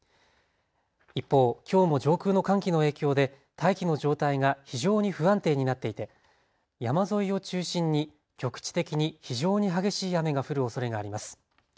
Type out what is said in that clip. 一方、きょうも上空の寒気の影響で大気の状態が非常に不安定になっていて山沿いを中心に局地的に非常に激しい雨が降るおそれがあります。